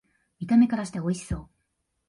見た目からしておいしそう